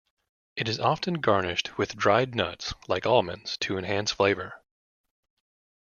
It is often garnished with dried nuts like almonds to enhance flavour.